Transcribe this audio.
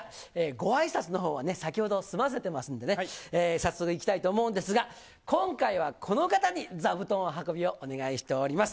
ごあいさつのほうは先ほど済ませてますんでね、早速いきたいと思うんですが、今回はこの方に座布団運びをお願いしております。